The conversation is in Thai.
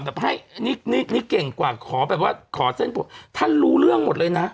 แบบให้นี่นี่เก่งกว่าขอแบบว่าขอเส้นตัวท่านรู้เรื่องหมดเลยนะ